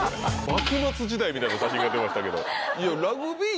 幕末時代みたいな写真が出ましたけど。